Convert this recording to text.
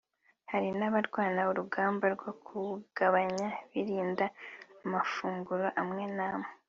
hari n’abarwana urugamba rwo kuwugabanya birinda amafunguro amwe n’amwe